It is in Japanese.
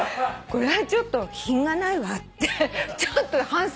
これはちょっと品がないわって反省した。